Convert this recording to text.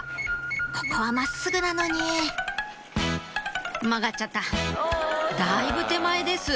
ここは真っすぐなのに曲がっちゃっただいぶ手前です